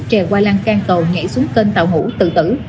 trèo qua lăng can cầu nhảy xuống kênh tàu hủ tự tử